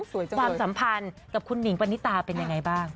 ความสัมพันธ์กับคุณหิงปณิตาเป็นยังไงบ้าง